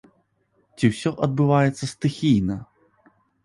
Ці ўсё адбываецца стыхійна?